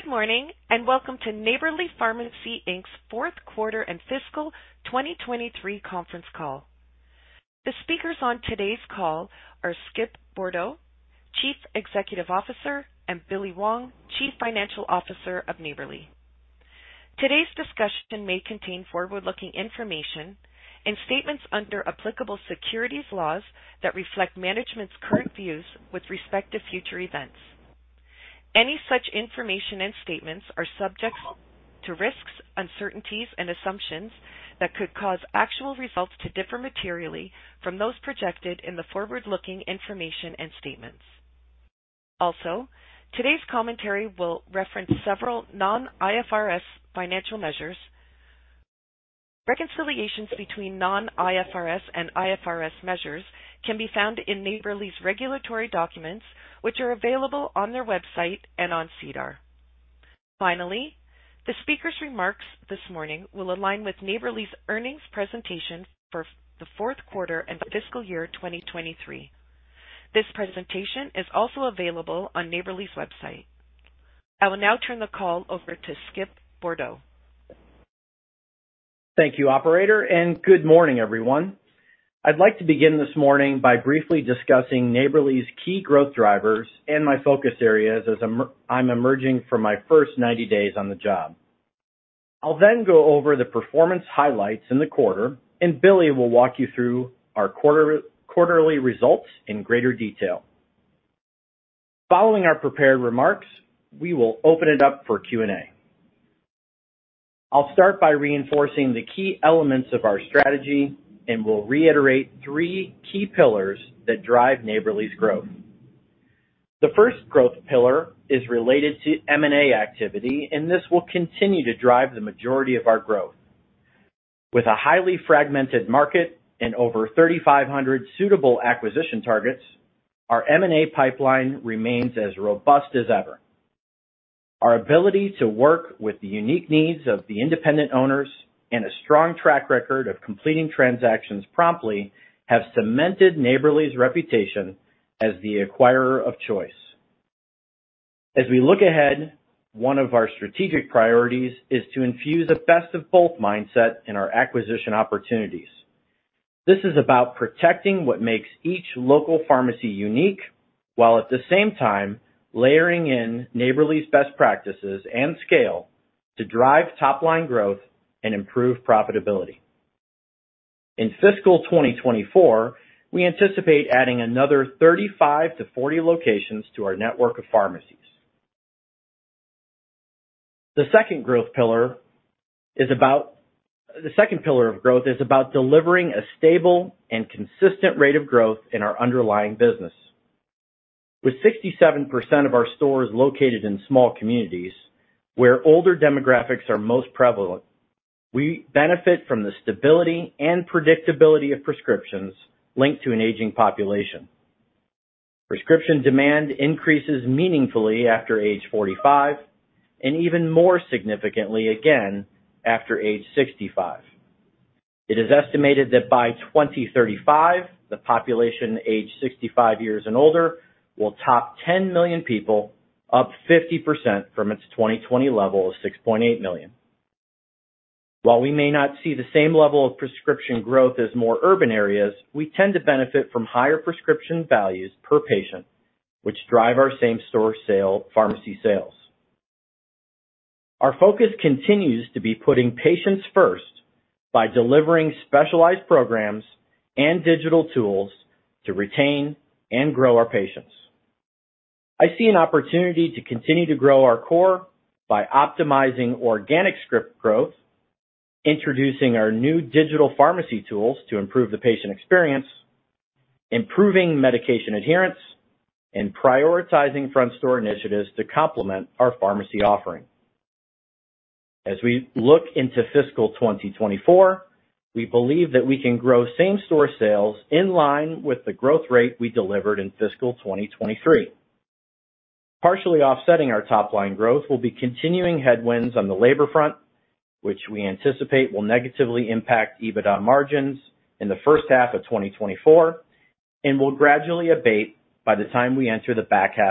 Good morning and welcome to the Neighbourly Pharmacy Inc. Q4 and fiscal 2023 conference call. The speakers on today's call are Skip Bourdo, Chief Executive Officer, and Billy Wong, Chief Financial Officer of Neighbourly. I will now turn the call over to Skip Bourdo. Thank you, operator. Good morning, everyone. I would like to begin by briefly discussing Neighbourly's key growth drivers and my focus areas as I am emerging from my first 90 days as CEO. I will review the performance highlights for the Q4, and Billy will walk you through our quarterly results in greater detail. Following our prepared remarks, we will open the call for questions. Our ability to address the unique needs of independent owners and a strong track record of completing transactions promptly have cemented Neighbourly's reputation as the acquirer of choice. As we look ahead, one of our strategic priorities is to infuse a "best-of-both" mindset into our acquisition opportunities. This involves protecting what makes each local pharmacy unique while simultaneously layering in Neighbourly's best practices and scale to drive top-line growth and improve profitability. Prescription demand increases meaningfully after age 45 and even more significantly after age 65. It is estimated that by 2035, the population aged 65 years and older will exceed 10 million people, a 50% increase from the 2020 level of 6.8 million. While we may not experience the same level of prescription growth as urban areas, we benefit from higher prescription values per patient, which drive our same-store pharmacy sales. As we look into fiscal 2024, we believe we can grow same-store sales in line with the growth rate delivered in fiscal 2023. Partially offsetting our top-line growth will be continuing labor headwinds. We anticipate these will negatively impact EBITDA margins in the first half of 2024 and will gradually abate by the second half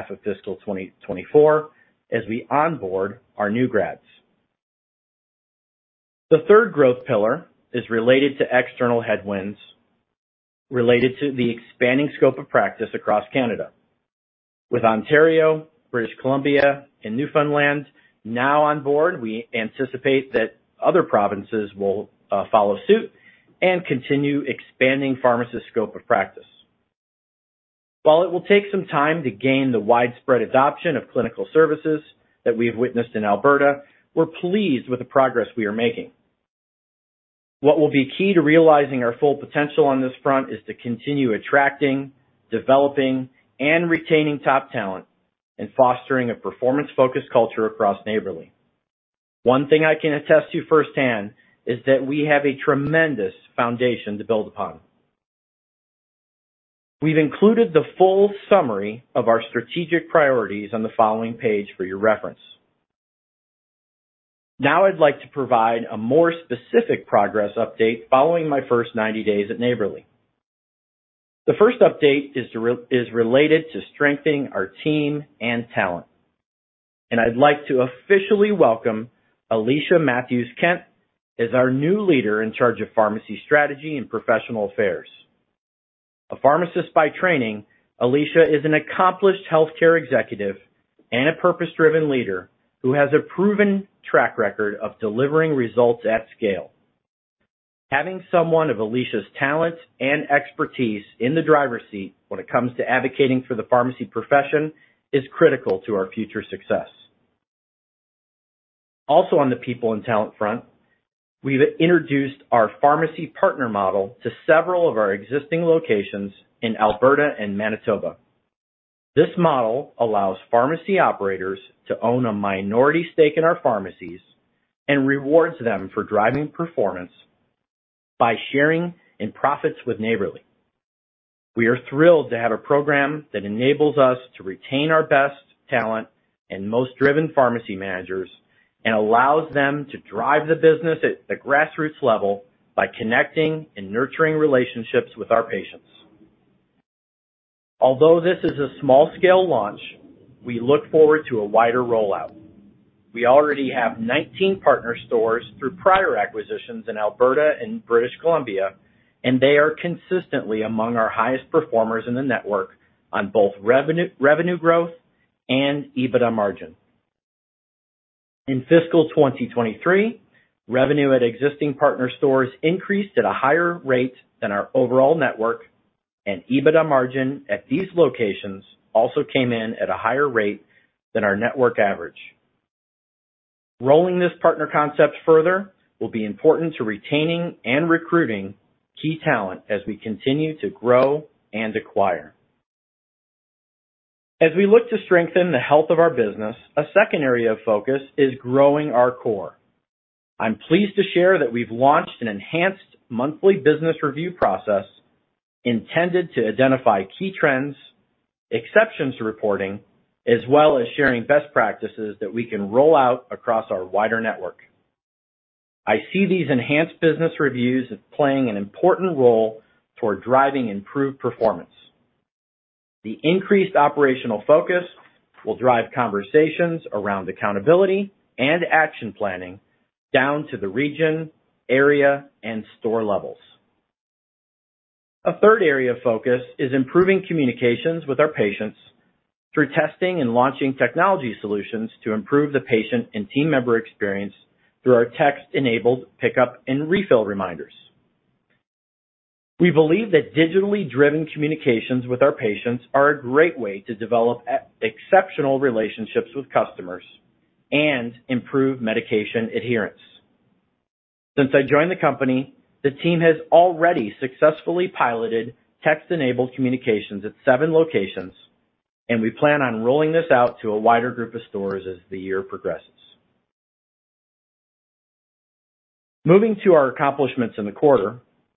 of the fiscal year as we onboard new graduates. Realizing our full potential will require us to continue attracting, developing, and retaining top talent while fostering a performance-focused culture across Neighbourly. One thing I can attest to firsthand is that we have a tremendous foundation upon which to build. We have included a full summary of our strategic priorities in the earnings presentation for your reference. Having someone of Alicia’s talent and expertise advocating for the pharmacy profession is critical to our future success. Regarding talent management, we have introduced our pharmacy partner model to several existing locations in Alberta and Manitoba. This model allows pharmacy operators to own a minority stake in our pharmacies, rewarding them for driving performance by sharing in profits with Neighbourly. We currently operate 19 partner stores acquired through previous transactions in Alberta and British Columbia. These locations are consistently among our highest performers in the network in terms of both revenue growth and EBITDA margin. In fiscal 2023, revenue at existing partner stores increased at a higher rate than our overall network, and EBITDA margins at these locations also exceeded our network average. I see these enhanced business reviews as playing an important role in driving improved performance. The increased operational focus will drive conversations regarding accountability and action planning at the region, area, and store levels. A third area of focus is improving communications with our patients by testing and launching technology solutions. These are designed to enhance the patient and team member experience through text-enabled pickup and refill reminders.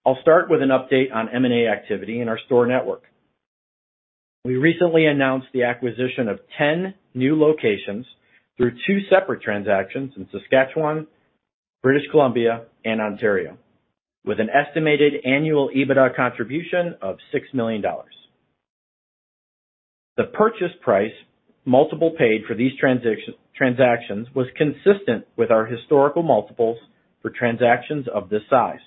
We recently announced the acquisition of 10 new locations through two separate transactions in Saskatchewan, British Columbia, and Ontario, with an estimated annual EBITDA contribution of 6 million dollars. The purchase price multiple for these transactions was consistent with our historical averages for deals of this scale.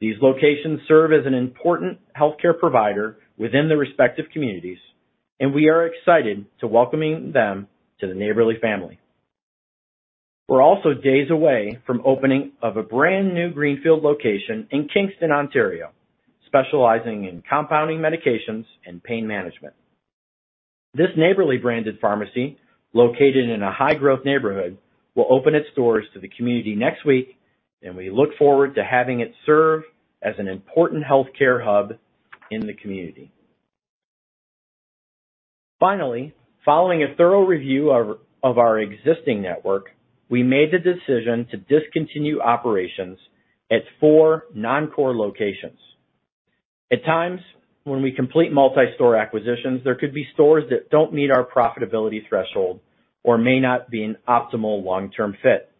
These locations serve as essential healthcare providers within their respective communities, and we look forward to welcoming them to the Neighbourly family. At times, when we complete multi-store acquisitions, there could be stores that don't meet our profitability threshold or may not be an optimal long-term fit.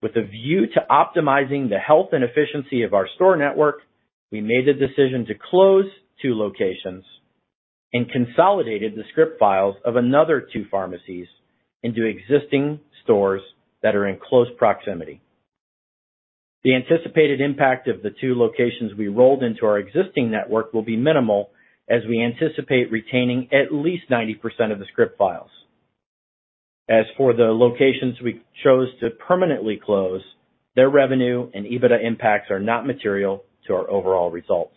With a view to optimizing the health and efficiency of our store network, we made the decision to close 2 locations and consolidated the script files of another 2 pharmacies into existing stores that are in close proximity. The anticipated impact of the 2 locations we rolled into our existing network will be minimal, as we anticipate retaining at least 90% of the script files. As for the locations we chose to permanently close, their revenue and EBITDA impacts are not material to our overall results.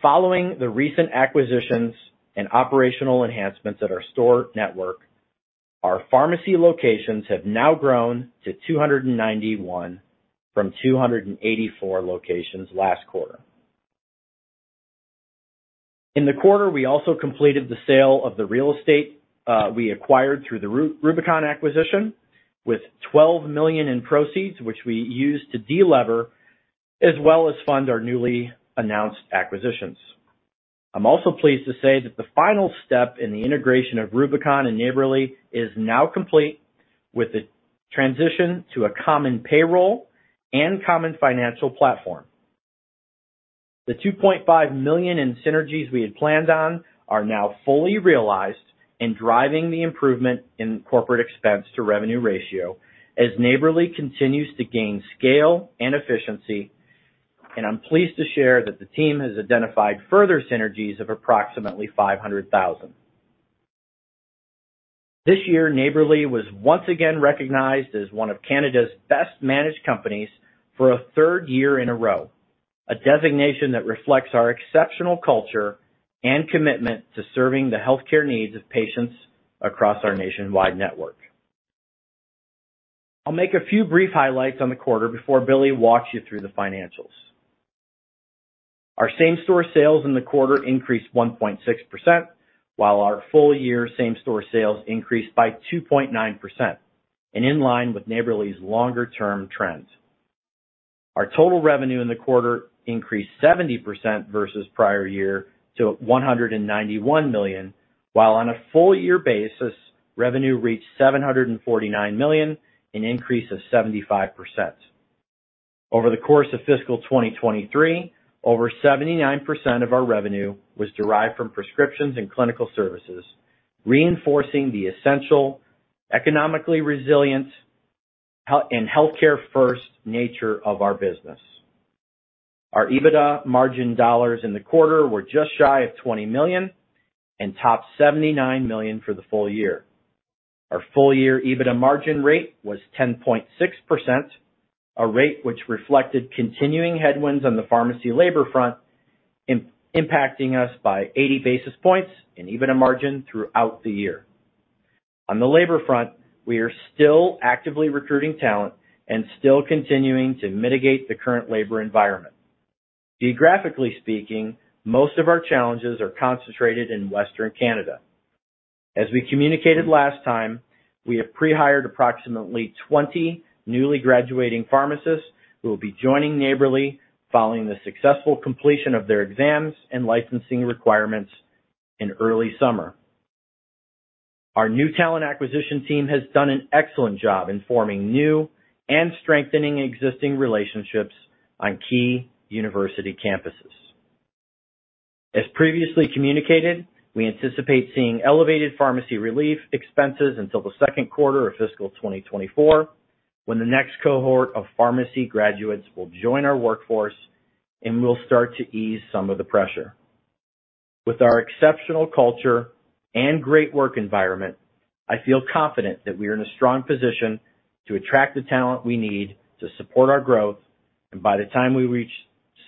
Following the recent acquisitions and operational enhancements at our store network, our pharmacy locations have now grown to 291 from 284 locations last quarter. During the quarter, we completed the sale of the real estate acquired through the Rubicon transaction. The CAD 12 million in proceeds were used to deleverage the balance sheet and fund our newly announced acquisitions. I am also pleased to report that the final step in the integration of Rubicon and Neighbourly is complete, following the transition to a common payroll and financial platform. This year, Neighbourly was recognized as one of Canada's Best Managed Companies for the third consecutive year. This designation reflects our exceptional culture and commitment to serving the healthcare needs of patients across our nationwide network. I will highlight several key figures for Q4 before Billy reviews the financials. Over the course of fiscal 2023, over 79% of our revenue was derived from prescriptions and clinical services, reinforcing the essential, economically resilient, health, and healthcare first nature of our business. Our EBITDA margin dollars in the quarter were just shy of 20 million and topped 79 million for the full year. Our full year EBITDA margin rate was 10.6%, a rate which reflected continuing headwinds on the pharmacy labor front, impacting us by 80 basis points and even a margin throughout the year. On the labor front, we are still actively recruiting talent and still continuing to mitigate the current labor environment. Geographically speaking, most of our challenges are concentrated in Western Canada. As communicated previously, we have pre-hired approximately 20 newly graduating pharmacists who will join Neighbourly following the successful completion of their exams and licensing requirements in early summer. Our new talent acquisition team has performed excellently in forming and strengthening relationships on key university campuses.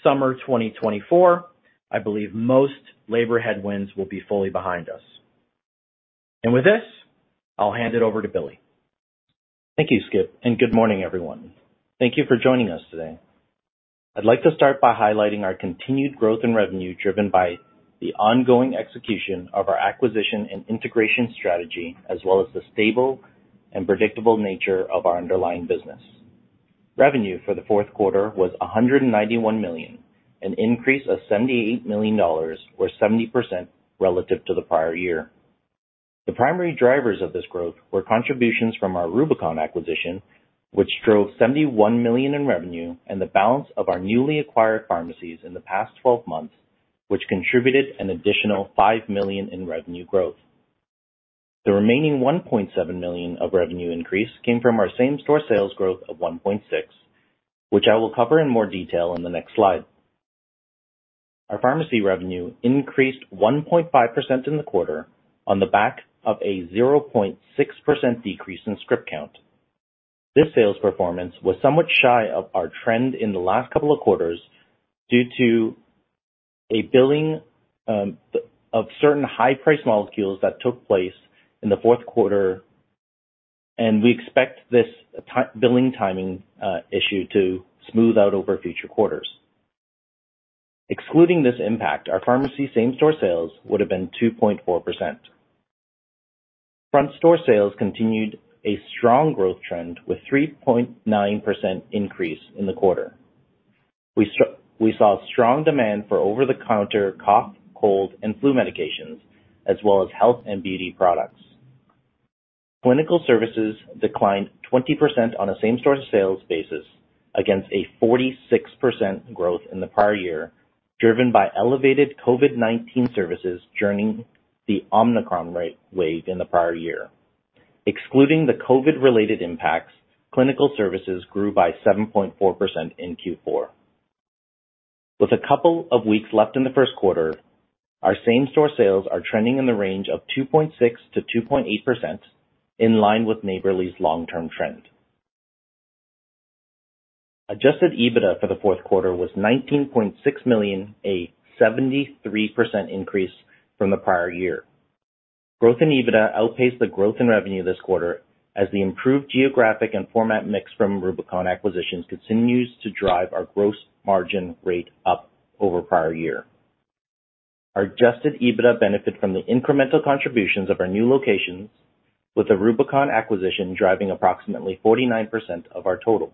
Thank you, Skip. Good morning, everyone. I would like to start by highlighting our continued revenue growth, driven by the execution of our acquisition and integration strategy and the predictable nature of our underlying business. Revenue for Q4 was 191 million, an increase of 78 million dollars, or 70%, relative to the prior year. Our pharmacy revenue increased 1.5% in the quarter on the back of a 0.6% decrease in Rx count. This sales performance was somewhat shy of our trend in the last couple of quarters due to a billing of certain high price molecules that took place in the fourth quarter. We expect this billing timing issue to smooth out over future quarters. Excluding this impact, our pharmacy same-store sales would have been 2.4%. Front store sales continued a strong growth trend with 3.9% increase in the quarter. We saw strong demand for over-the-counter cough, cold, and flu medications, as well as health and beauty products. Clinical services declined 20% on a same-store sales basis against 46% growth in the prior year, which was driven by elevated COVID-19 services during the Omicron wave. Excluding COVID-related impacts, clinical services grew by 7.4% in Q4. With a few weeks remaining in Q1, our same-store sales are trending between 2.6% and 2.8%, which is in line with Neighbourly's long-term trend. Our adjusted EBITDA benefited from the incremental contributions of our new locations, with the Rubicon acquisition driving approximately 49% of the total.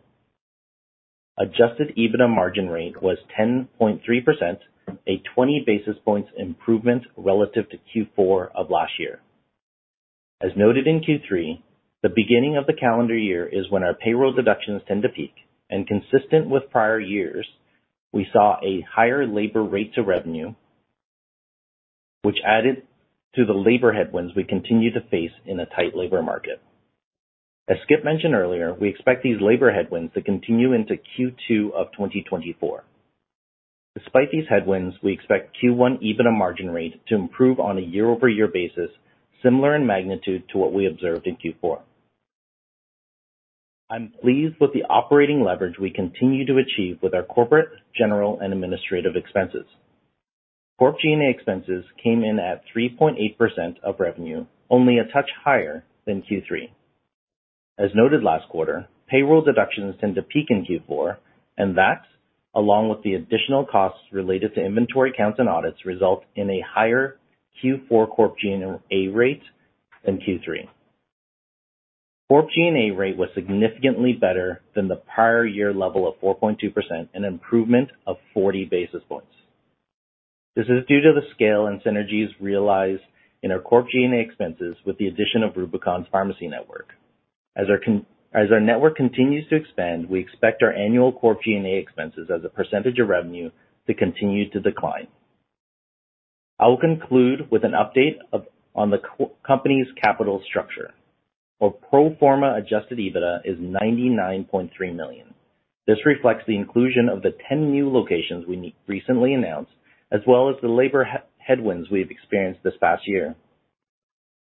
The adjusted EBITDA margin was 10.3%, a 20-basis point improvement relative to Q4 of the prior year. As noted in Q3, the beginning of the calendar year is when our payroll deductions tend to peak. Corp G&A expenses came in at 3.8% of revenue, only a touch higher than Q3. As noted last quarter, payroll deductions tend to peak in Q4, and that, along with the additional costs related to inventory counts and audits, result in a higher Q4 Corp G&A rate than Q3. Corp G&A rate was significantly better than the prior year level of 4.2%, an improvement of 40 basis points. This is due to the scale and synergies realized in our Corp G&A expenses with the addition of Rubicon's pharmacy network. As our network continues to expand, we expect our annual Corp G&A expenses as a percentage of revenue to continue to decline. I will conclude with an update on the company's capital structure. Our pro forma adjusted EBITDA is 99.3 million. This reflects the inclusion of the 10 new locations we recently announced, as well as the labor headwinds we have experienced this past year.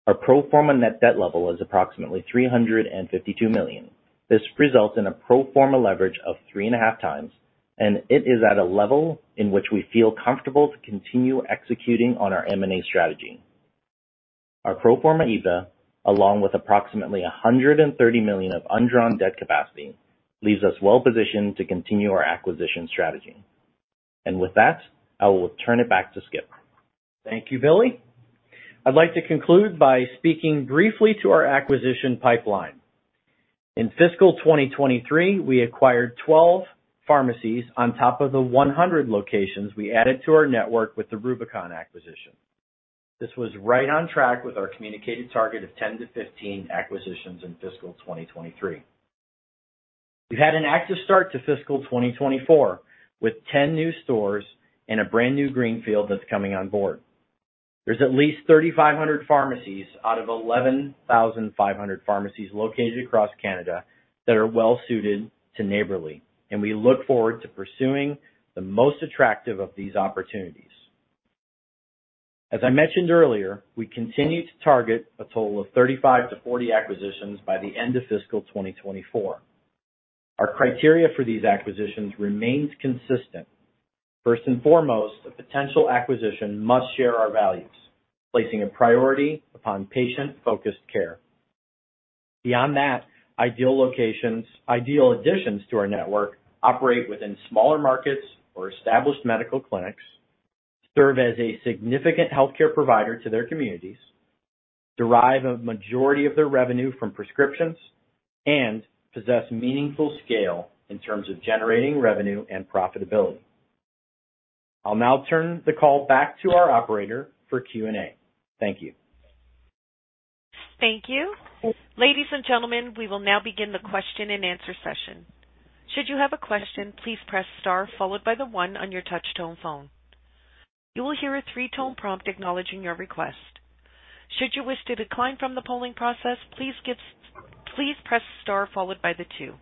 Our pro forma net debt level is approximately 352 million. This results in a pro forma leverage of 3.5 times, and it is at a level in which we feel comfortable to continue executing on our M&A strategy. Our pro forma EBITDA, along with approximately 130 million of undrawn debt capacity, leaves us well positioned to continue our acquisition strategy. With that, I will turn it back to Skip. Thank you, Billy. I would like to conclude by briefly discussing our acquisition pipeline. In fiscal 2023, we acquired 12 pharmacies in addition to the 100 locations added through the Rubicon transaction. This was on track with our target of 10 to 15 acquisitions for the year. We have had an active start to fiscal 2024, with 10 new stores and a brand-new greenfield location coming on board. First and foremost, a potential acquisition must share our values, placing a priority upon patient-focused care. Beyond that, ideal locations, ideal additions to our network operate within smaller markets or established medical clinics, serve as a significant healthcare provider to their communities, derive a majority of their revenue from prescriptions, and possess meaningful scale in terms of generating revenue and profitability. I'll now turn the call back to our operator for Q&A. Thank you. Thank you. Ladies and gentlemen, we will now begin the question-and-answer session. Should you have a question, please press star followed by 1 on your touch-tone phone. You will hear a three-tone prompt acknowledging your request. Should you wish to withdraw from the polling process, please press star followed by 2. If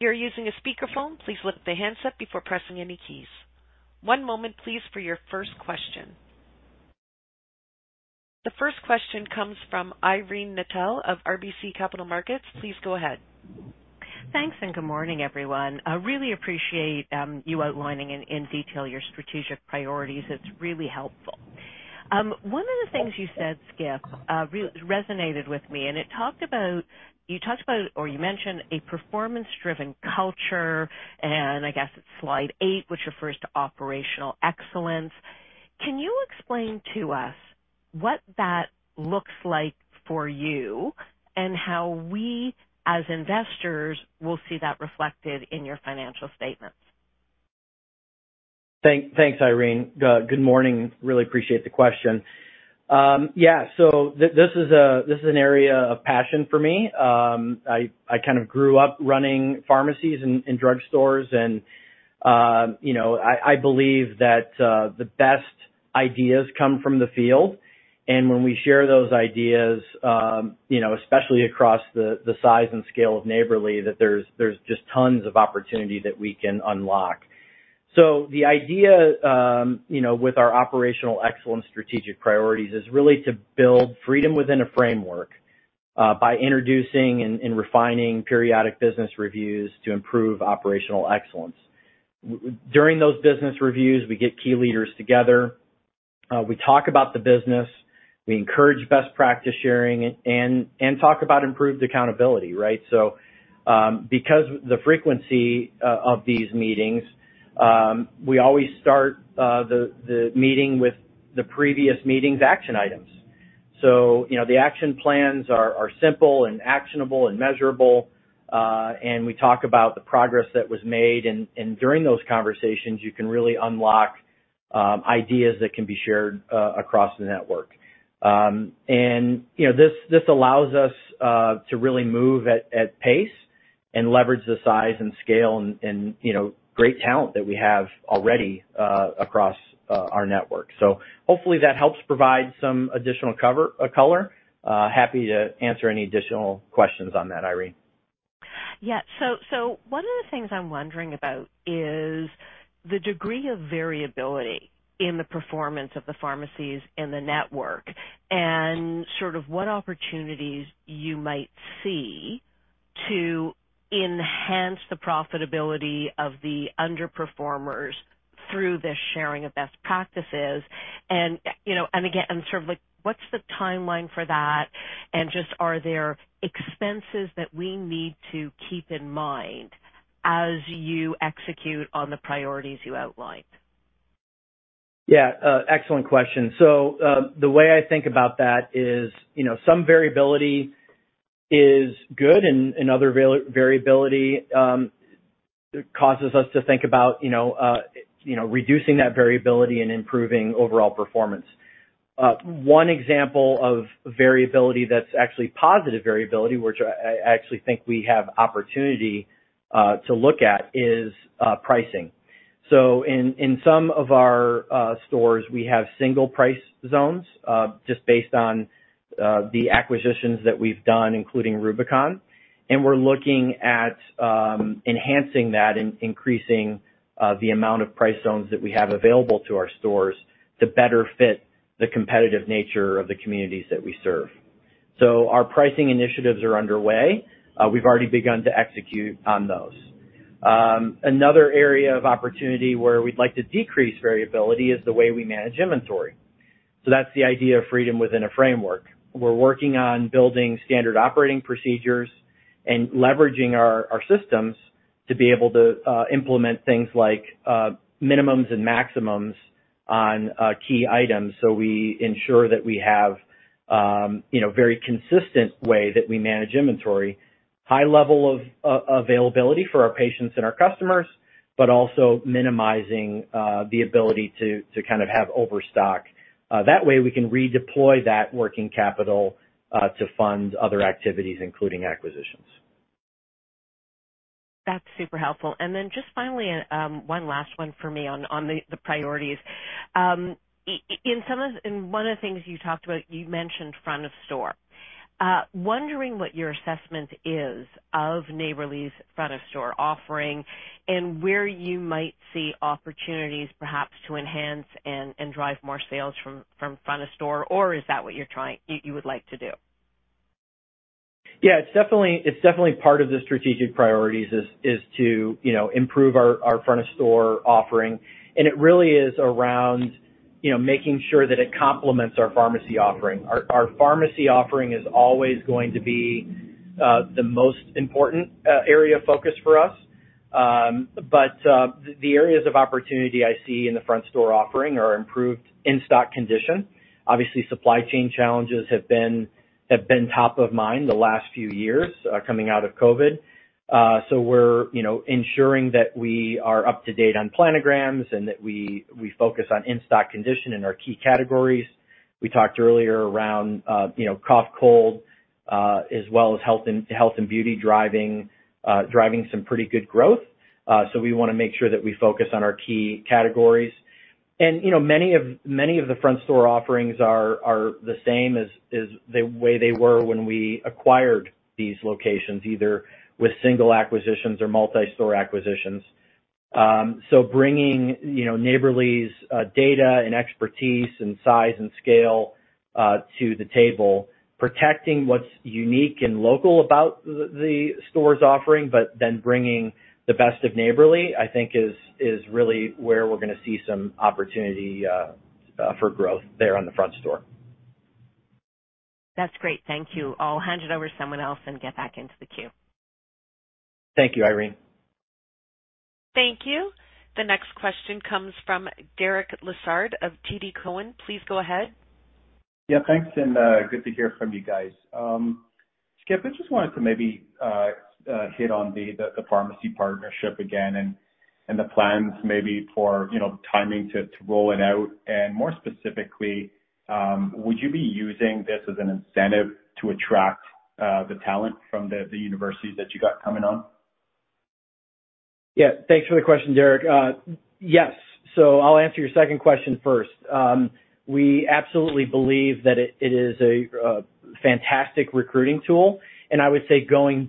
you are using a speakerphone, please lift the handset before pressing any keys. Thank you. Good morning, everyone. I appreciate you outlining your strategic priorities in detail. One of your comments resonated with me, Skip. You mentioned a performance-driven culture and referenced operational excellence on slide 8. Can you explain what that looks like and how we, as investors, will see that reflected in your financial statements? Thank you, Irene. Good morning. I appreciate the question; this is an area of passion for me. I grew up running pharmacies and drugstores, and I believe the best ideas come from the field. When we share those ideas across the scale of Neighbourly, there is a significant opportunity to unlock value. Because of the frequency of these meetings, we always begin by reviewing the previous meeting's action items. These action plans are simple, actionable, and measurable. We discuss the progress made, and during those conversations, we can unlock ideas that are then shared across the network. One of the things I'm wondering about is the degree of variability in the performance of the pharmacies in the network, and sort of what opportunities you might see to enhance the profitability of the underperformers through this sharing of best practices. You know, again, sort of like, what's the timeline for that? Just, are there expenses that we need to keep in mind as you execute on the priorities you outlined? Yeah, excellent question. The way I think about that is, you know, some variability is good, and other variability causes us to think about, you know, you know, reducing that variability and improving overall performance. One example of variability that's actually positive variability, which I actually think we have opportunity to look at, is pricing. In some of our stores, we have single price zones, just based on the acquisitions that we've done, including Rubicon. We're looking at enhancing that and increasing the amount of price zones that we have available to our stores to better fit the competitive nature of the communities that we serve. Our pricing initiatives are underway. We've already begun to execute on those. Another area of opportunity where we'd like to decrease variability is the way we manage inventory. That's the idea of freedom within a framework. We're working on building standard operating procedures and leveraging our systems to be able to implement things like minimums and maximums on key items. We ensure that we have, you know, very consistent way that we manage inventory, high level of availability for our patients and our customers, but also minimizing the ability to kind of have overstock. That way, we can redeploy that working capital to fund other activities, including acquisitions. That is very helpful. Finally, I have one last question regarding your priorities. You mentioned the front-of-store offering. What is your assessment of Neighbourly's current front-of-store selection? Where do you see opportunities to enhance and drive more sales in that area, or is that your primary objective? Gemini said We want to ensure we focus on our key categories. Many of the front-of-store offerings remain the same as they were at the time of acquisition, whether through single or multi-store transactions. By bringing Neighbourly’s data, expertise, and scale to the table, we can optimize these selections. That's great. Thank you. I'll hand it over to someone else and get back into the queue. Thank you, Irene. Thank you. The next question comes from Derek Lessard of TD Cowen. Please go ahead. Yeah, thanks, and good to hear from you guys. Skip, I just wanted to maybe hit on the pharmacy partnership again and the plans maybe for, you know, timing to roll it out. More specifically, would you be using this as an incentive to attract the talent from the universities that you got coming on? Thank you for the question, Derek. I will answer your second question first. We believe this is a fantastic recruiting tool, particularly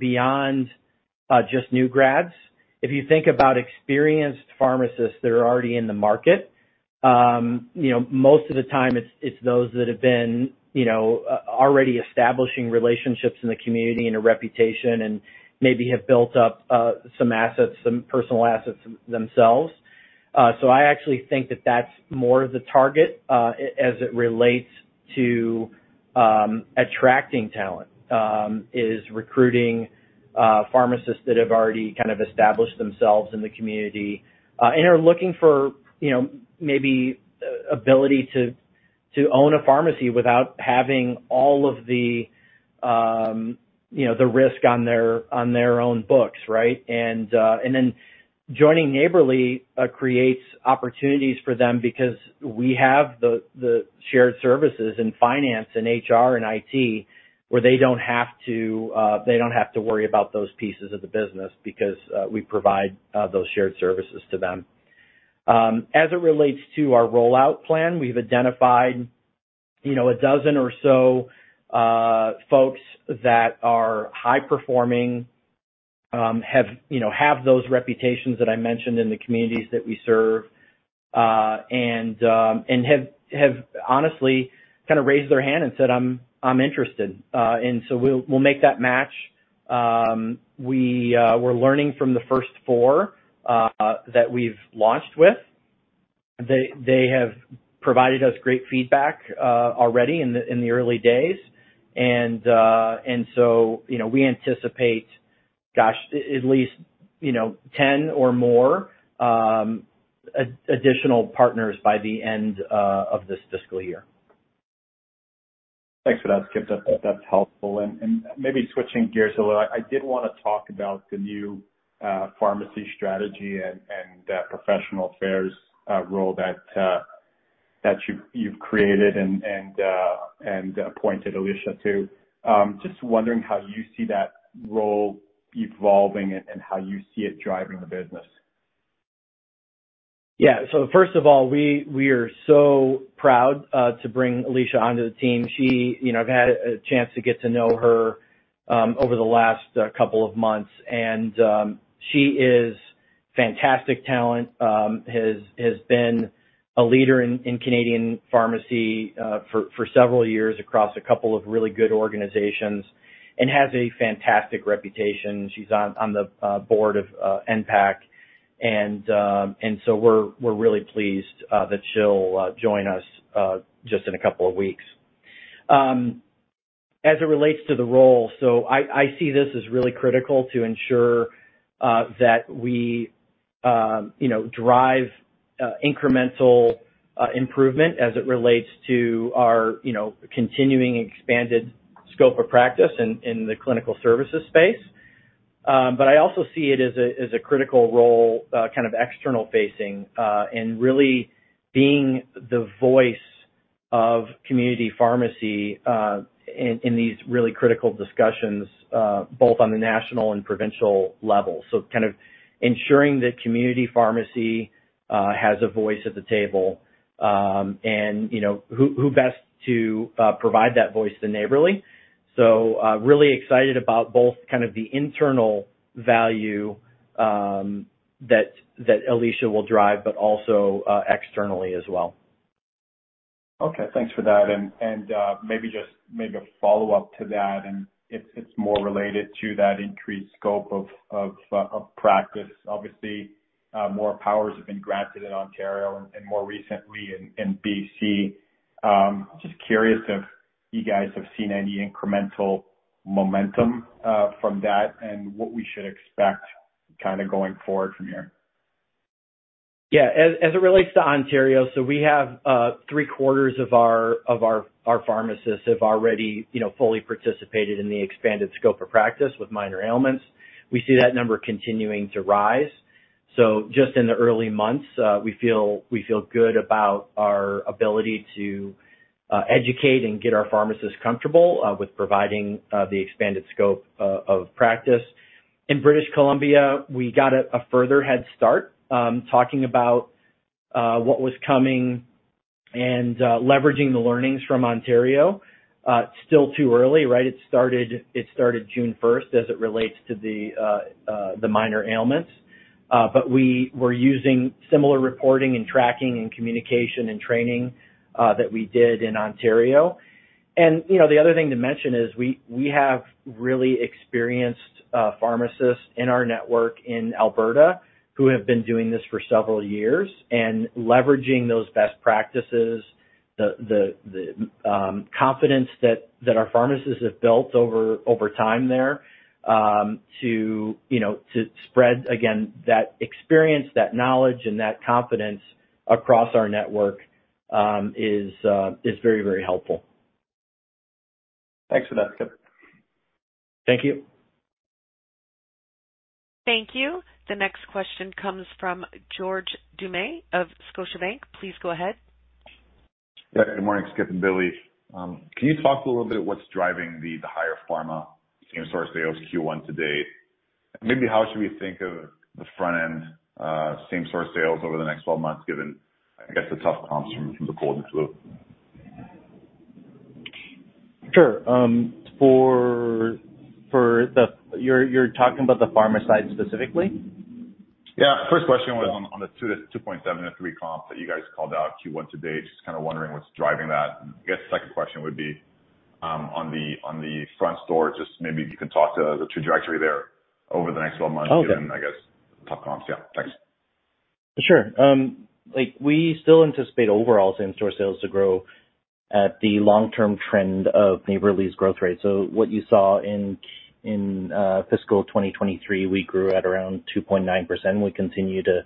for experienced pharmacists already in the market. Often, these individuals have established relationships and reputations within their communities and may have built up personal assets. This demographic is our primary target for attracting talent—recruiting pharmacists who have established themselves and are seeking the opportunity to own a pharmacy without carry the full financial risk on their own books. Thanks for that, Skip. That's helpful. Maybe switching gears a little, I did wanna talk about the new pharmacy strategy and that professional affairs role that you've created and appointed Alicia to. Just wondering how you see that role evolving and how you see it driving the business. First of all, we are so proud to bring Alicia onto the team. She, you know, I've had a chance to get to know her over the last couple of months, and she is fantastic talent. Has been a leader in Canadian pharmacy for several years across a couple of really good organizations and has a fantastic reputation. She's on the board of NABP, and we're really pleased that she'll join us just in a couple of weeks. As it relates to the role, so I see this as really critical to ensure that we, you know, drive incremental improvement as it relates to our, you know, continuing expanded scope of practice in the clinical services space. I also see it as a critical role, kind of external facing, and really being the voice of community pharmacy, in these really critical discussions, both on the national and provincial level. Kind of ensuring that community pharmacy has a voice at the table. You know, who best to provide that voice than Neighbourly? Really excited about both kind of the internal value, that Alicia will drive, but also, externally as well. Thanks for that. Maybe just a follow-up to that, and it's more related to that increased scope of practice. Obviously, more powers have been granted in Ontario and more recently in BC. Just curious if you guys have seen any incremental momentum from that and what we should expect kind of going forward from here. Yeah. As it relates to Ontario, we have three-quarters of our pharmacists have already, you know, fully participated in the expanded scope of practice with minor ailments. We see that number continuing to rise. Just in the early months, we feel good about our ability to educate and get our pharmacists comfortable with providing the expanded scope of practice. In British Columbia, we got a further head start, talking about what was coming and leveraging the learnings from Ontario. It's still too early, right? It started June first, as it relates to the minor ailments. We were using similar reporting and tracking and communication and training that we did in Ontario. You know, the other thing to mention is we have really experienced pharmacists in our network in Alberta who have been doing this for several years. Leveraging those best practices, the confidence that our pharmacists have built over time there, to, you know, to spread again, that experience, that knowledge and that confidence across our network is very, very helpful. Thanks for that, Skip. Thank you. Thank you. The next question comes from George Doumet of Scotiabank. Please go ahead. Yeah. Good morning, Skip and Billy. Can you talk a little bit what's driving the higher pharma same-store sales Q1 to date? Maybe how should we think of the front end same-store sales over the next 12 months, given, I guess, the tough comps from the cold and flu? Sure. You're talking about the pharma side specifically? I have two questions. First, regarding the 2.6% to 2.8% same-store sales growth you identified for Q1 to date, could you provide more detail on what is driving that performance? Second, regarding the front-of-store, could you discuss the expected trajectory for that segment over the next 12 months? Okay. given, I guess, tough comps. Yeah, thanks. Sure. Like, we still anticipate overall same-store sales to grow at the long-term trend of Neighbourly's growth rate. What you saw in fiscal 2023, we grew at around 2.9%. We continue to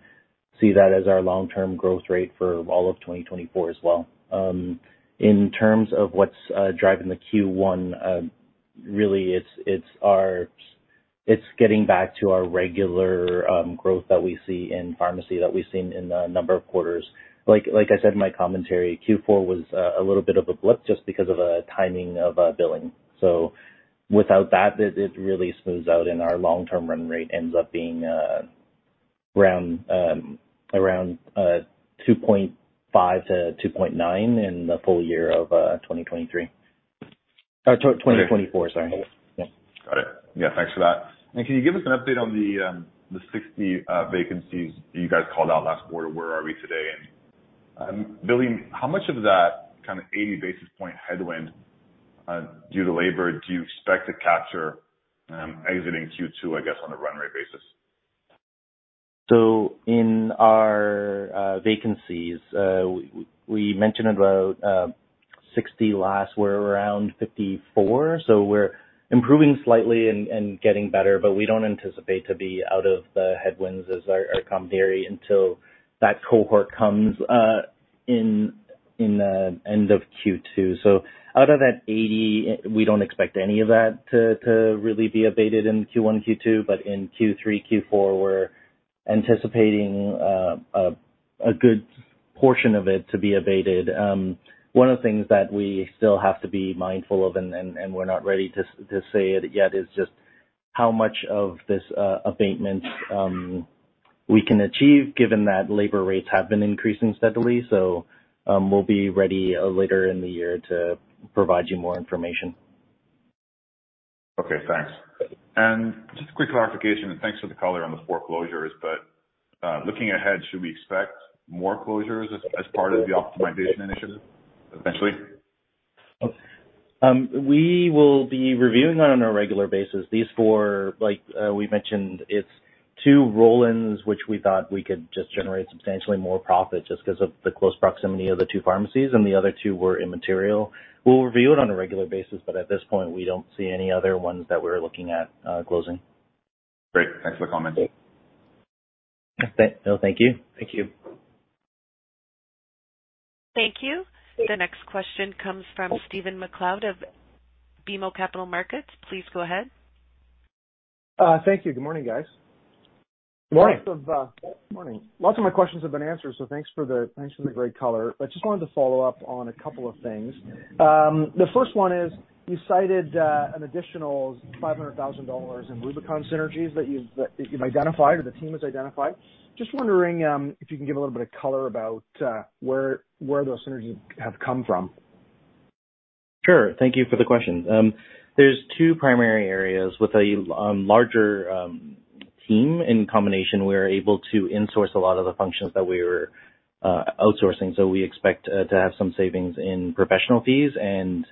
see that as our long-term growth rate for all of 2024 as well. In terms of what's driving the Q1, really, it's getting back to our regular growth that we see in pharmacy, that we've seen in a number of quarters. Like I said in my commentary, Q4 was a little bit of a blip just because of the timing of billing. Without that, it really smooths out, and our long-term run rate ends up being 2.5%-2.9% in the full year of 2023. 2024, sorry. Yeah. Got it. Yeah, thanks for that. Can you give us an update on the the 60 vacancies you guys called out last quarter? Where are we today? Billy, how much of that kind of 80 basis point headwind due to labor, do you expect to capture exiting Q2, I guess, on a run rate basis? In our vacancies, we mentioned about 60 last, we're around 54. We're improving slightly and getting better, but we don't anticipate to be out of the headwinds as our commentary until that cohort comes in the end of Q2. Out of that 80, we don't expect any of that to really be abated in Q1, Q2, but in Q3, Q4, we're anticipating a good portion of it to be abated. One of the things that we still have to be mindful of, and we're not ready to say it yet, is just how much of this abatement we can achieve given that labor rates have been increasing steadily. We'll be ready later in the year to provide you more information. Okay, thanks. Just a quick clarification, and thanks for the color on the foreclosures, but, looking ahead, should we expect more closures as part of the optimization initiative, eventually? We will be reviewing that on a regular basis. These 4, like we mentioned, it's 2 roll-ins, which we thought we could just generate substantially more profit just 'cause of the close proximity of the 2 pharmacies, and the other 2 were immaterial. We'll review it on a regular basis, but at this point, we don't see any other ones that we're looking at closing. Great. Thanks for the comment. Yeah. No, thank you. Thank you. Thank you. The next question comes from Stephen MacLeod of BMO Capital Markets. Please go ahead. Thank you. Good morning, guys. Good morning. Lots of. Morning. Lots of my questions have been answered, so thanks for the great color. Just wanted to follow up on a couple of things. The first one is, you cited an additional 500,000 dollars in Rubicon synergies that you've identified or the team has identified. Just wondering if you can give a little bit of color about where those synergies have come from? Thank you for the question. There are two primary areas of focus for these additional synergies. First, with a larger combined team, we are able to insource many functions that were previously outsourced. Consequently, we expect to realize savings in professional fees. When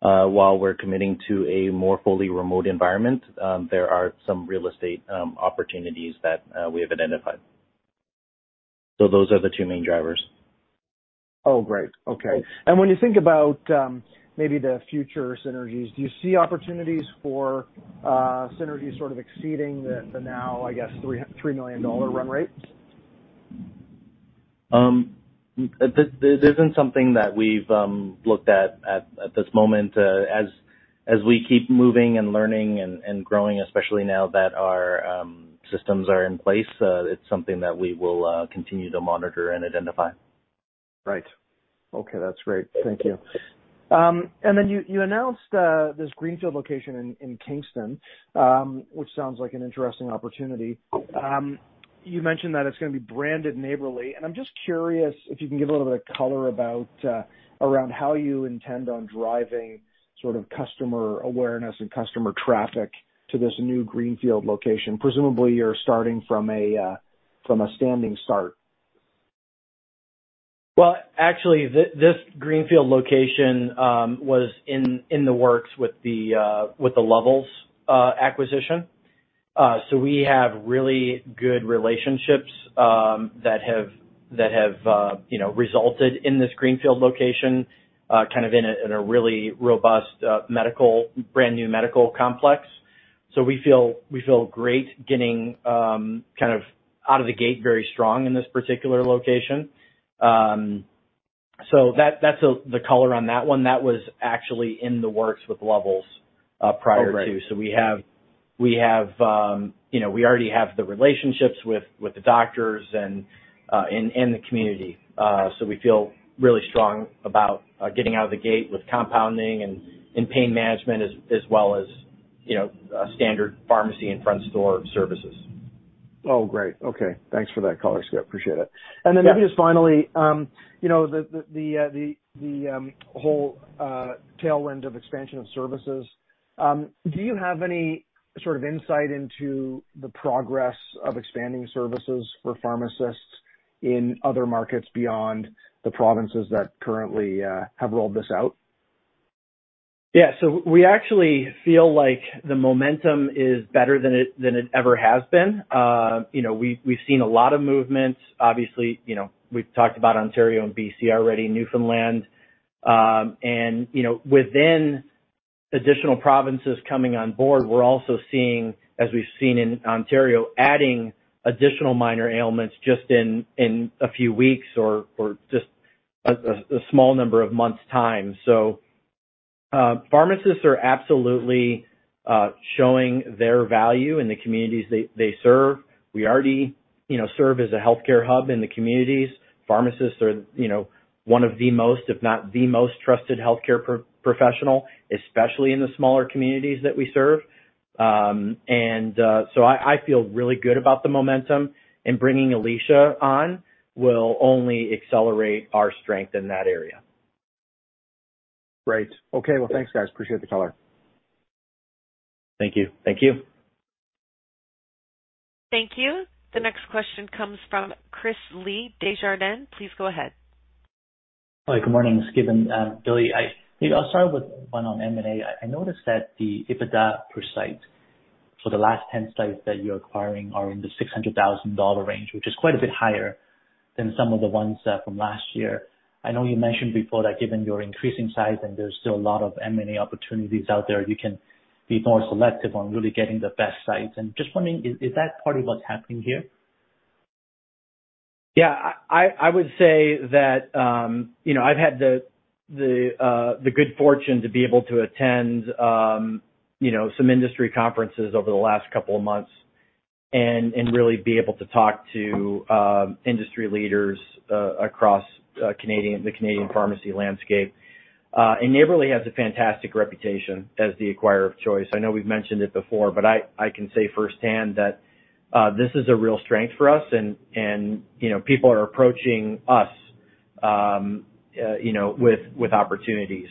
considering future synergies, do you see opportunities for them to exceed the current CAD 3 million run rate? This isn't something that we've looked at this moment. As we keep moving and learning and growing, especially now that our systems are in place, it's something that we will continue to monitor and identify. Thank you. You announced a greenfield location in Kingston, which is an interesting opportunity. You mentioned it will be branded as Neighbourly. Can you provide more color on how you intend to drive customer awareness and traffic to this new location, given that you are starting from a standing start? Well, actually, this greenfield location was in the works with the Levels acquisition. We have really good relationships, that have, you know, resulted in this greenfield location, kind of in a really robust medical, brand new medical complex. We feel great getting, kind of out of the gate very strong in this particular location. That's the color on that one. That was actually in the works with Levels prior to. Oh, great. We have, you know, we already have the relationships with the doctors and in the community. We feel really strong about getting out of the gate with compounding and pain management as well as, you know, standard pharmacy and front store services. Great. Okay. Thanks for that color, Scott. Appreciate it. Yeah. Maybe just finally, you know, the whole tailwind of expansion of services, do you have any sort of insight into the progress of expanding services for pharmacists in other markets beyond the provinces that currently have rolled this out? We actually feel like the momentum is better than it ever has been. You know, we've seen a lot of movements. Obviously, you know, we've talked about Ontario and BC already, Newfoundland. You know, within additional provinces coming on board, we're also seeing, as we've seen in Ontario, adding additional minor ailments just in a few weeks or a small number of months' time. Pharmacists are absolutely showing their value in the communities they serve. We already, you know, serve as a healthcare hub in the communities. Pharmacists are, you know, one of the most, if not the most trusted healthcare professional, especially in the smaller communities that we serve. I feel really good about the momentum, and bringing Alicia on will only accelerate our strength in that area. Great. Okay, well, thanks, guys. Appreciate the color. Thank you. Thank you. Thank you. The next question comes from Chris Li, Desjardins. Please go ahead. Good morning, Skip and Billy. I will start with a question on M&A. I noticed that the EBITDA per site for the last 10 locations you are acquiring is in the 600,000 dollar range, which is significantly higher than some of the acquisitions from last year. You mentioned previously that given your increasing scale and the vast opportunities available, you can be more selective in targeting the best sites. Is that what is occurring with these latest transactions? I have had the opportunity to attend several industry conferences over the last few months and speak with leaders across the Canadian pharmacy landscape. Neighbourly has a strong reputation as the acquirer of choice. I can say firsthand that this is a significant strength for us; we are being approached with numerous opportunities.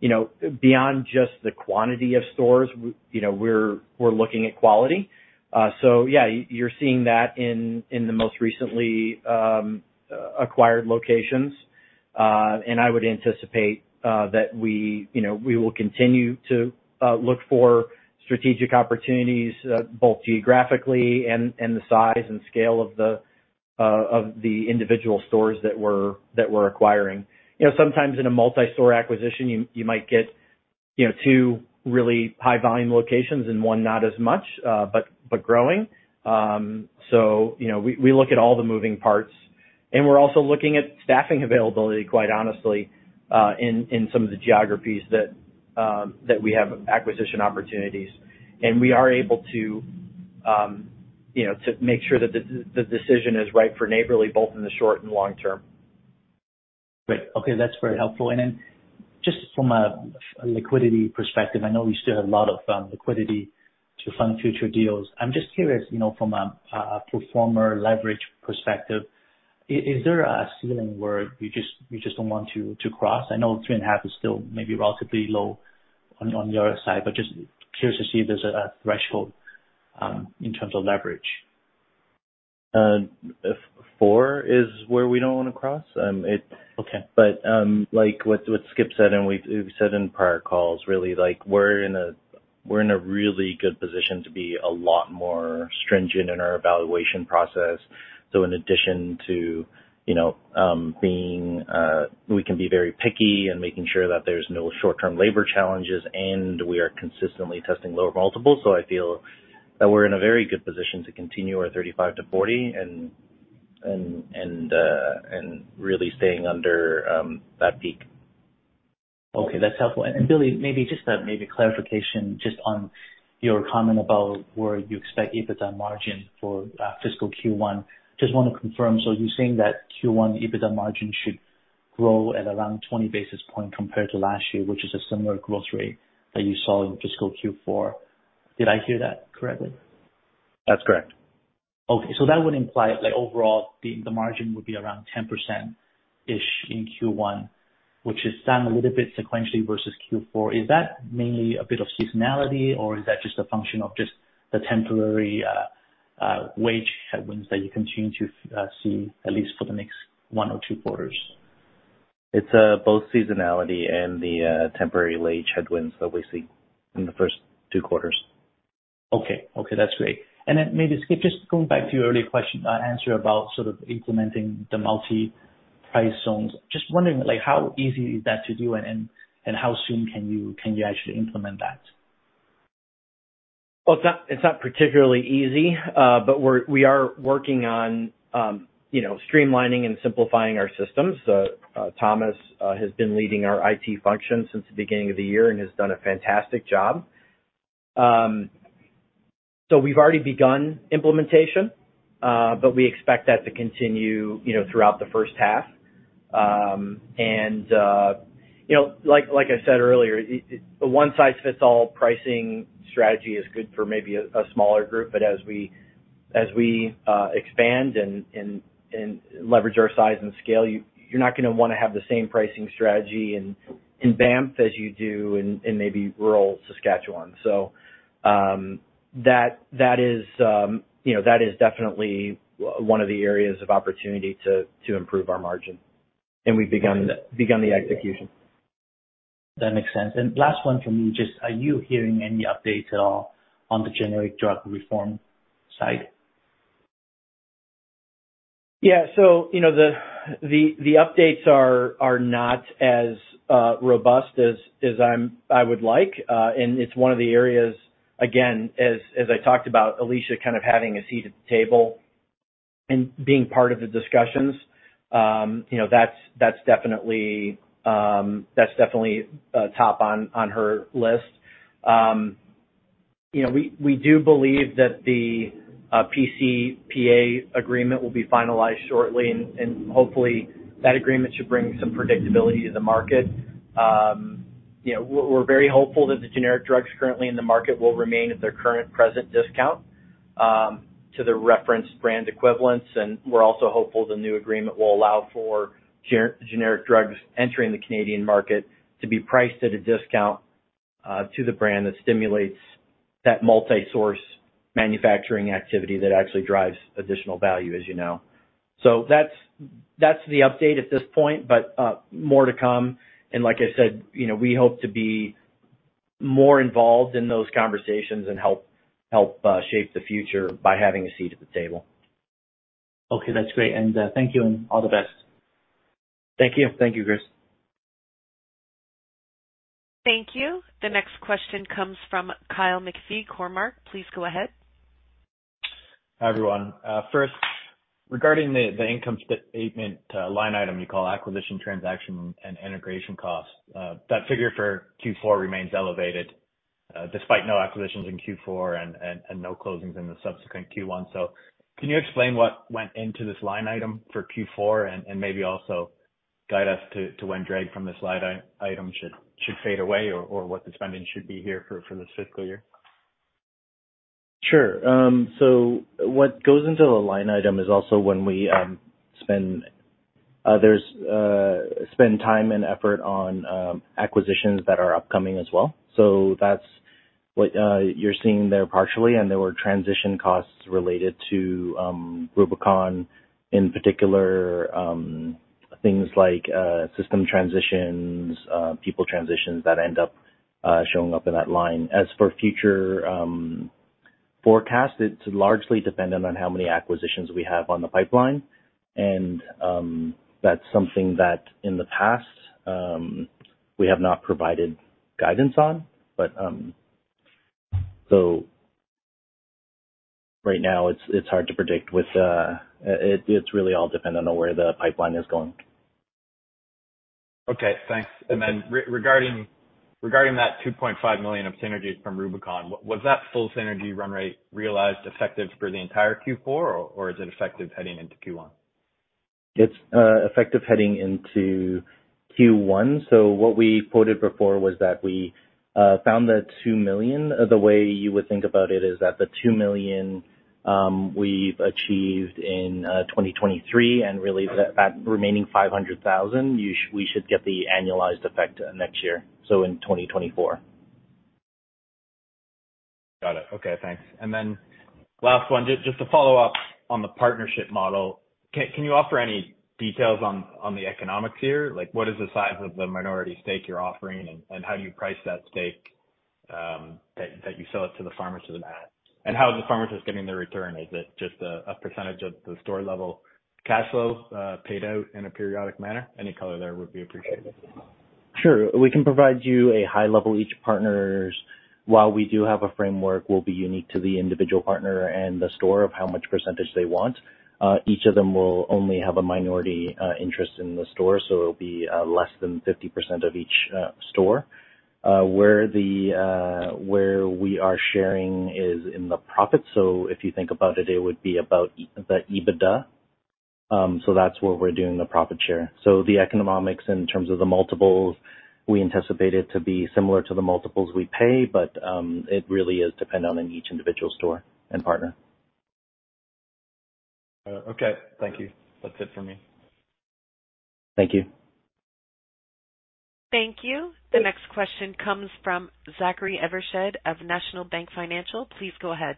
You are seeing the results of that strategy in the most recently acquired locations. I anticipate that we will continue to seek strategic opportunities, considering both geography and the individual size and scale of the stores. In a multi-store acquisition, you may acquire two high-volume locations and one that is smaller but growing. That is very helpful. From a liquidity perspective, I know you have significant capital to fund future deals. I am curious if there is a pro forma leverage ceiling that you do not want to cross. While 3.5x may be relatively low compared to others in the industry, is there a specific threshold in terms of leverage? Four is the threshold we do not want to cross. Okay. like what Skip said, and we've said in prior calls, really, like, we're in a, we're in a really good position to be a lot more stringent in our evaluation process. in addition to, you know, we can be very picky in making sure that there's no short-term labor challenges, and we are consistently testing lower multiples. I feel that we're in a very good position to continue our 35-40 and really staying under that peak. Okay, that's helpful. Billy, maybe just clarification on your comment about where you expect EBITDA margin for fiscal Q1. Just want to confirm, you're saying that Q1 EBITDA margin should grow at around 20 basis point compared to last year, which is a similar growth rate that you saw in fiscal Q4. Did I hear that correctly? That's correct. That would imply an overall margin of approximately 10% in Q1, which is down slightly on a sequential basis versus Q4. Is that primarily due to seasonality, or is it a function of the temporary wage headwinds you expect to continue for the next one or two quarters? It is a combination of both seasonality and the temporary wage headwinds we anticipate in Q1 and Q2. That is very helpful. Skip, regarding your earlier answer about implementing multi-price zones, how easily can that be executed, and how soon can you implement that strategy? It's not, it's not particularly easy, but we're, we are working on, you know, streamlining and simplifying our systems. Thomas has been leading our IT function since the beginning of the year and has done a fantastic job. We've already begun implementation, but we expect that to continue, you know, throughout the first half. You know, like I said earlier, it, a one-size-fits-all pricing strategy is good for maybe a smaller group, but as we, as we expand and, and leverage our size and scale, you're not gonna wanna have the same pricing strategy in Banff as you do in maybe rural Saskatchewan. That is, you know, that is definitely one of the areas of opportunity to improve our margin, and we've begun the execution. That makes sense. Last one from me, just are you hearing any updates at all on the generic drug reform side? You know, the updates are not as robust as I would like. It's one of the areas, again, as I talked about Alicia kind of having a seat at the table and being part of the discussions, you know, that's definitely top on her list. You know, we do believe that the pCPA agreement will be finalized shortly, and hopefully that agreement should bring some predictability to the market. You know, we're very hopeful that the generic drugs currently in the market will remain at their current present discount to the reference brand equivalents. We're also hopeful the new agreement will allow for generic drugs entering the Canadian market to be priced at a discount to the brand that stimulates that multi-source manufacturing activity that actually drives additional value, as you know. That's, that's the update at this point, but more to come. Like I said, you know, we hope to be more involved in those conversations and help shape the future by having a seat at the table. Okay, that's great. Thank you and all the best. Thank you. Thank you, Chris. Thank you. The next question comes from Kyle McPhee, Cormark. Please go ahead. Hi, everyone. First, regarding the income statement, line item you call Acquisition, Transaction, and Integration Costs, that figure for Q4 remains elevated, despite no acquisitions in Q4 and no closings in the subsequent Q1. Can you explain what went into this line item for Q4 and maybe also guide us to when drag from this line item should fade away or what the spending should be here for this fiscal year? Sure. What goes into the line item is also when we spend time and effort on acquisitions that are upcoming as well. That's what you're seeing there partially, and there were transition costs related to Rubicon in particular, things like system transitions, people transitions that end up showing up in that line. As for future forecast, it's largely dependent on how many acquisitions we have on the pipeline, that's something that in the past we have not provided guidance on. Right now it's hard to predict with. It's really all dependent on where the pipeline is going. Okay, thanks. Regarding that 2.5 million of synergies from Rubicon, was that full synergy run rate realized effective for the entire Q4, or is it effective heading into Q1? It's effective heading into Q1. What we quoted before was that we found the 2 million. The way you would think about it is that the 2 million we've achieved in 2023, and really that remaining 500,000, we should get the annualized effect next year, so in 2024. Got it. Okay, thanks. Then last one, just to follow up on the partnership model, can you offer any details on the economics here? Like, what is the size of the minority stake you're offering, and how do you price that stake, that you sell it to the pharmacist? How is the pharmacist getting their return? Is it just a % of the store level cash flow, paid out in a periodic manner? Any color there would be appreciated. Sure. We can provide you a high level. Each partners, while we do have a framework, will be unique to the individual partner and the store of how much percentage they want. Each of them will only have a minority interest in the store, so it'll be less than 50% of each store. Where we are sharing is in the profit. If you think about it would be about the EBITDA. That's where we're doing the profit share. The economics in terms of the multiples, we anticipate it to be similar to the multiples we pay, but it really is dependent on each individual store and partner. Okay. Thank you. That's it for me. Thank you. Thank you. The next question comes from Zachary Evershed of National Bank Financial. Please go ahead.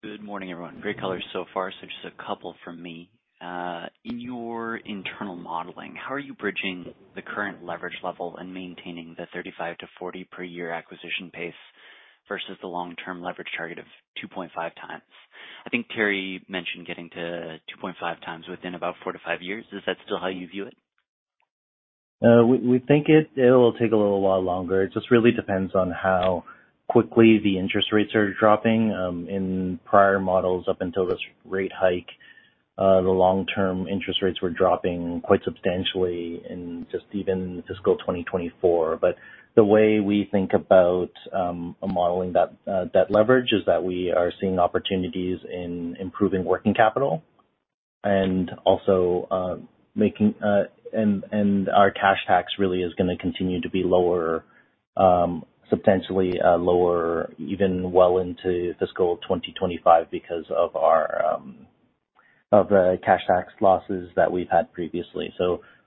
Good morning, everyone. Great colors so far. just a couple from me. In your internal modeling, how are you bridging the current leverage level and maintaining the 35 to 40 per year acquisition pace versus the long-term leverage target of 2.5 times? I think Terry mentioned getting to 2.5 times within about 4 to 5 years. Is that still how you view it? We think it'll take a little while longer. It just really depends on how quickly the interest rates are dropping. In prior models, up until this rate hike, the long-term interest rates were dropping quite substantially in just even fiscal 2024. The way we think about modeling that leverage is that we are seeing opportunities in improving working capital and also making and our cash tax really is gonna continue to be lower, substantially lower even well into fiscal 2025 because of our of the cash tax losses that we've had previously.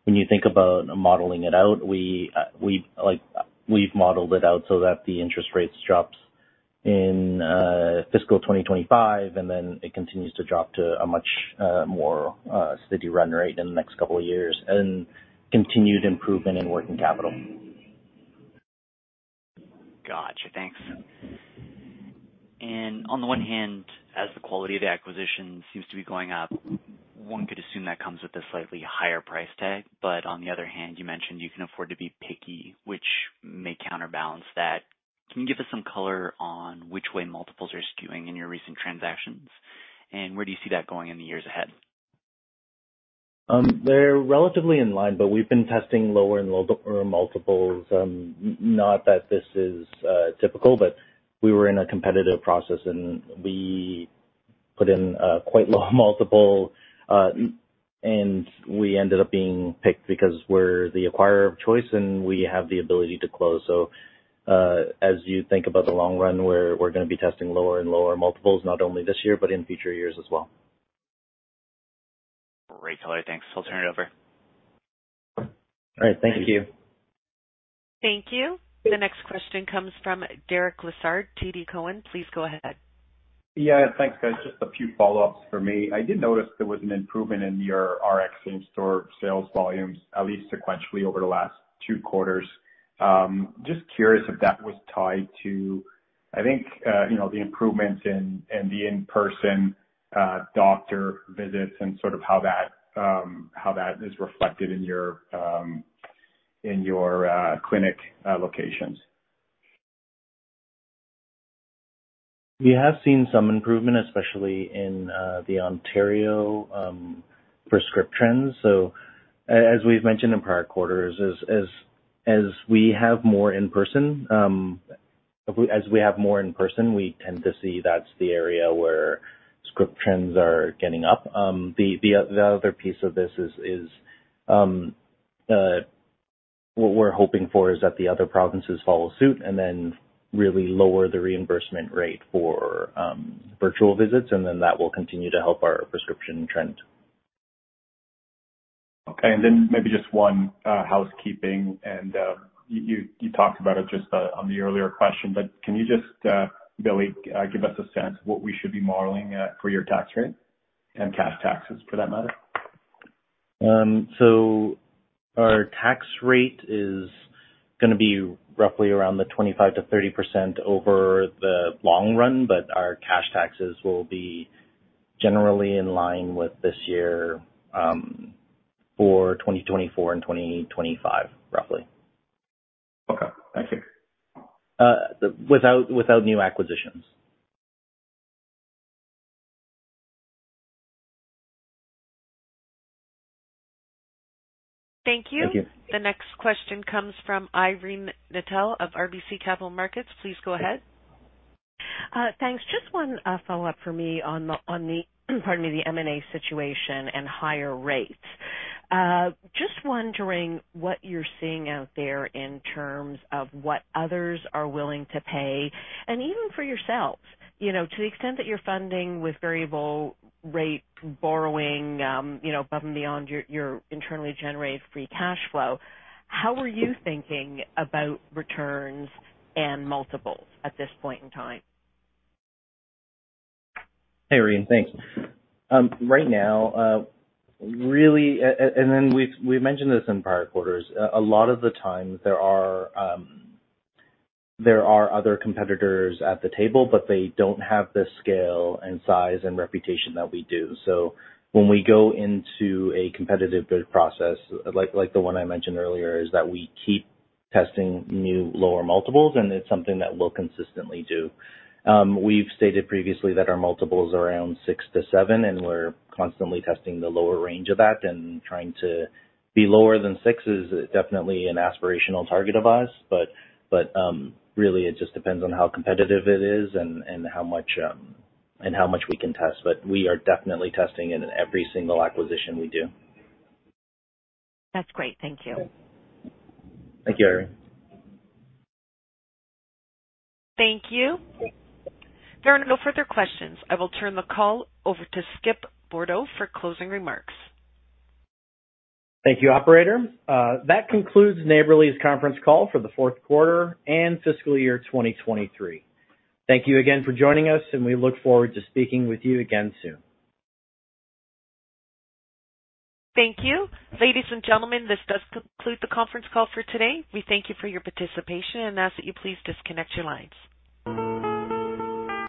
When you think about modeling it out, we, like, we've modeled it out so that the interest rates drops in fiscal 2025, and then it continues to drop to a much, more, steady run rate in the next couple of years and continued improvement in working capital. On the one hand, as the quality of the acquisition seems to be going up, one could assume that comes with a slightly higher price tag. On the other hand, you mentioned you can afford to be picky, which may counterbalance that. Can you give us some color on which way multiples are skewing in your recent transactions, and where do you see that going in the years ahead? They're relatively in line, but we've been testing lower and lower multiples. Not that this is typical, but we were in a competitive process, and we put in a quite low multiple, and we ended up being picked because we're the acquirer of choice, and we have the ability to close. As you think about the long run, we're gonna be testing lower and lower multiples, not only this year but in future years as well. Great color. Thanks. I'll turn it over. All right. Thank you. Thank you. The next question comes from Derek Lessard, TD Cowen. Please go ahead. Thank you. I have a few follow-up questions. I noticed an improvement in your prescription same-store sales volumes, specifically on a sequential basis over Q3 and Q4. Is that improvement tied to the recovery in in-person physician visits, and how is that trend reflected in your clinic-adjacent locations? We have seen some improvement, especially in the Ontario prescription trends. As we've mentioned in prior quarters, as we have more in-person, as we have more in person, we tend to see that's the area where script trends are getting up. The other piece of this is what we're hoping for is that the other provinces follow suit and then really lower the reimbursement rate for virtual visits, that will continue to help our prescription trend. Okay. maybe just one, housekeeping, and, you talked about it just, on the earlier question, but can you just, Billy, give us a sense of what we should be modeling at for your tax rate and cash taxes, for that matter? Our tax rate is gonna be roughly around the 25%-30% over the long run, but our cash taxes will be generally in line with this year, for 2024 and 2025, roughly. Okay. Thank you. Without new acquisitions. Thank you. Thank you. The next question comes from Irene Nattel of RBC Capital Markets. Please go ahead. Thanks. Just one follow-up for me on the, pardon me, the M&A situation and higher rates. Just wondering what you're seeing out there in terms of what others are willing to pay, and even for yourselves, you know, to the extent that you're funding with variable rate borrowing, you know, above and beyond your internally generated free cash flow, how are you thinking about returns and multiples at this point in time? Hey, Irene. Thanks. Right now, really, then we've mentioned this in prior quarters. A lot of the time there are other competitors at the table, but they don't have the scale and size and reputation that we do. When we go into a competitive bid process, like the one I mentioned earlier, is that we keep testing new lower multiples, and it's something that we'll consistently do. We've stated previously that our multiples are around 6 to 7, and we're constantly testing the lower range of that. Trying to be lower than 6 is definitely an aspirational target of ours, but really, it just depends on how competitive it is and how much we can test. We are definitely testing it in every single acquisition we do. That's great. Thank you. Thank you, Irene. Thank you. There are no further questions. I will turn the call over to Skip Bourdo for closing remarks. Thank you, operator. That concludes Neighbourly's conference call for Q4 and fiscal year 2023. Thank you again for joining us; we look forward to speaking with you again soon. Thank you. Ladies and gentlemen, this does conclude the conference call for today. We thank you for your participation and ask that you please disconnect your lines.